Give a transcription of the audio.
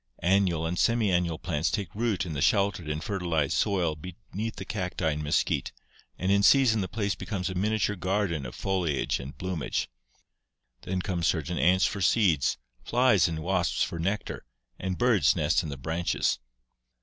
Annual and semiannual plants take root in the sheltered and fertilized soil beneath the cacti and mesquite and in season the place becomes a miniature garden of foliage and bloomage. Then come certain ants for seeds, flies and wasps for nectar, and birds nest in the branches.